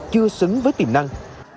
chưa xứng với tiềm năng